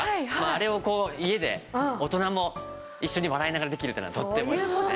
あれを家で大人も一緒に笑いながらできるっていうのはとってもいいですね。